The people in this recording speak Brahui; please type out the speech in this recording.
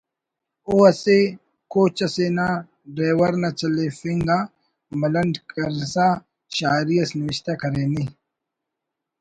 او اسہ کوچ اسے نا ڈیور نا چلیفنگ آ ملنڈ کرسا شاعری اس نوشتہ کرینے: